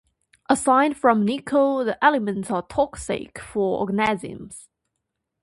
Aside from nickel, the elements are toxic for organisms.